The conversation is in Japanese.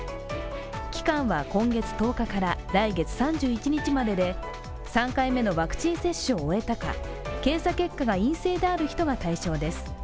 期間は今月１０日から来月３１日までで３回目のワクチン接種を終えたか検査結果が陰性である人が対象です。